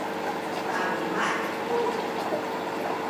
taluma’ tu